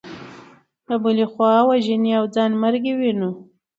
له بلې خوا وژنې او ځانمرګي وینو.